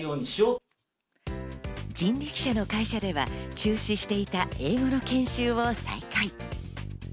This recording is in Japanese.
人力車の会社では中止していた英語の研修を再開。